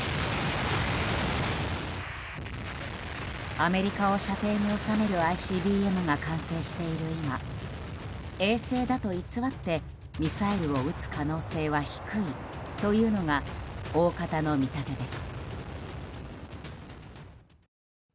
アメリカを射程に収めるＩＣＢＭが完成している今衛星だと偽ってミサイルを撃つ可能性は低いというのが大方の見立てです。